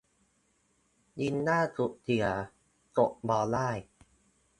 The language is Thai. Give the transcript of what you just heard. ลิงก์ล่างสุดเสีย คลิกบ่ได้